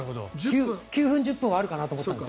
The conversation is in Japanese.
９分、１０分はあるかなと思ってたんです。